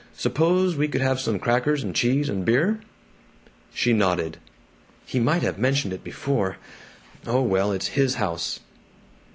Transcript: Suppose we could have some crackers and cheese and beer?" She nodded. "He might have mentioned it before. Oh well, it's his house."